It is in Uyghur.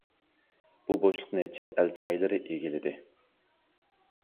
بۇ بوشلۇقنى چەت ئەل چايلىرى ئىگىلىدى.